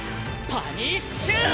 パニッシューネ！